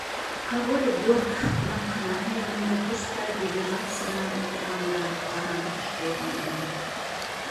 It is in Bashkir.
«Король Георг ҡунаҡханаһы» янында почта дилижансына ултырғанда ҡараңғы төшкәйне инде.